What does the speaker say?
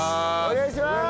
お願いします！